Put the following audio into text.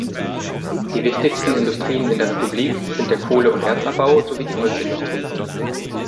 Die wichtigsten Industrien in der Republik sind der Kohle- und Erzabbau sowie die Holzindustrie.